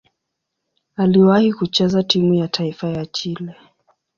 Aliwahi kucheza timu ya taifa ya Chile.